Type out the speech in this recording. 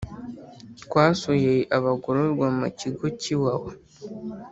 Twasuye abagororwa mu kigo cy’iwawa